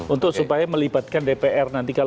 untuk supaya melibatkan tni dalam penanganan terorisme